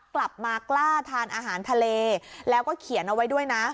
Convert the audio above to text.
กลับมากล้าทานอาหารทะเลแล้วก็เขียนเอาไว้ด้วยนะ